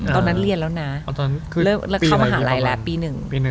ตอนนั้นเรียนแล้วนะเลิกเข้ามหาลัยแล้วปี๑ปี๑